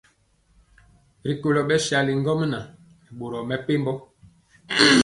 Rikolo bɛsali ŋgomnaŋ nɛ boro mepempɔ.